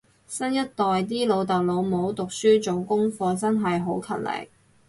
新一代啲老豆老母讀書做功課真係好勤力